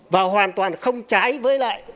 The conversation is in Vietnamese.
và hoàn toàn không trái với lại